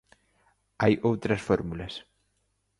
Hai outras fórmulas.